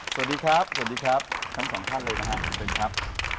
สวัสดีครับสวัสดีครับทั้งสองท่านเลยนะฮะขอบคุณครับ